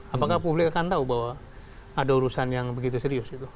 apakah publik akan tahu bahwa ada urusan yang begitu serius itu